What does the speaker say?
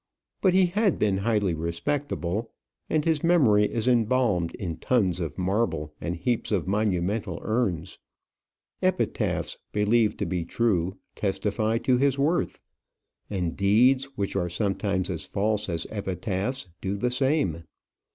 But he had been highly respectable, and his memory is embalmed in tons of marble and heaps of monumental urns. Epitaphs, believed to be true, testify to his worth; and deeds, which are sometimes as false as epitaphs, do the same.